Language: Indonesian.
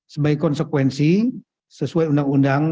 sebagai konsekuensi sesuai undang undang